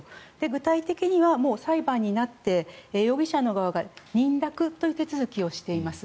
具体的にはもう裁判になって容疑者の側が認諾という手続きをしています。